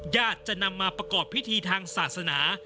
ญาติจะนำมาประกอบพิธีทางศาสนา